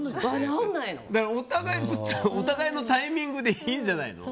お互いのタイミングでいいんじゃないの？